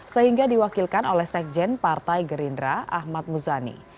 sehingga diwakilkan oleh sekjen partai gerindra ahmad muzani